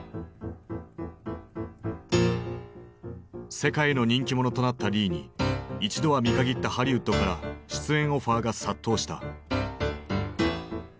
世界の人気者となったリーに一度は見限ったハリウッドから出演オファーが殺到した。